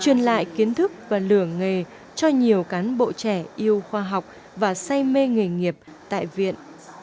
truyền lại kiến thức và lửa nghề cho nhiều cán bộ trẻ yêu khoa học và say mê nghề nghiệp tại viện